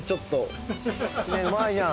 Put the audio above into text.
「うまいじゃん」